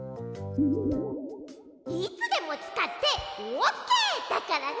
いつでもつかってオッケーだからね！